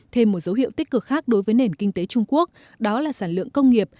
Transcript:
thêm một dấu hiệu tích cực khác đối với nền kinh tế trung quốc đó là sản lượng công nghiệp